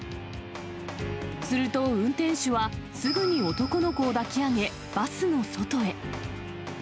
すると運転手はすぐに男の子を抱き上げ、バスの外へ。